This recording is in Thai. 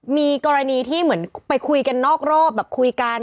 มีกรณีที่เหมือนไปคุยกันนอกรอบแบบคุยกัน